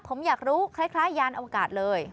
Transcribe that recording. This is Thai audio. ผมอยากรู้คล้ายยานอวกาศเลย